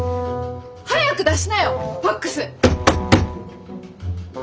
早く出しなよファックス！